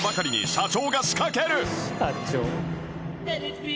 社長。